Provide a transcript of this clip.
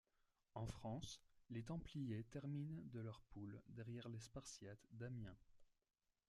En France, les Templiers terminent de leur poule derrière les Spartiates d'Amiens.